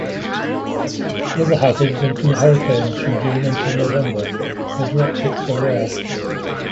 Weather hazards include hurricanes from June until November, though direct hits are rare.